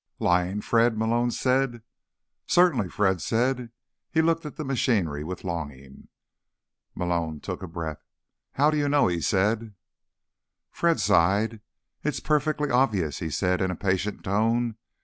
"Lying, Fred?" Malone said. "Certainly," Fred said. He looked at the machinery with longing. Malone took a breath. "How do you know?" he said. Fred sighed. "It's perfectly obvious," he said in a patient tone.